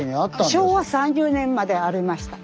昭和３０年までありました。